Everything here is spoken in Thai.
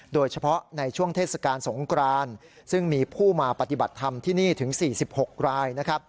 โดยเฉพาะในช่วงเทศกาลสงกรานซึ่งมีผู้มาปฏิบัติธรรมที่นี่ถึง๔๖ราย